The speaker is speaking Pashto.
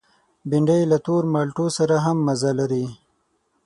بېنډۍ له تور مالټو سره هم مزه لري